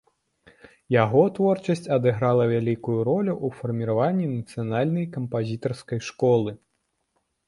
Яго творчасць адыграла вялікую ролю ў фарміраванні нацыянальнай кампазітарскай школы.